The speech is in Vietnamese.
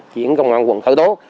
chuyển công an quận khởi tố